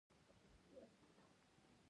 فیوډالي اقتصاد د غلامي اقتصاد په پرتله طبیعي و.